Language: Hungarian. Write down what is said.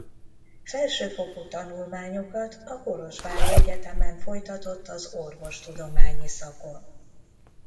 Felsőfokú tanulmányokat a kolozsvári egyetemen folytatott az orvostudományi szakon.